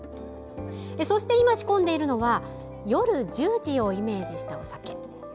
そして、今仕込んでいるのは夜１０時をイメージしたお酒。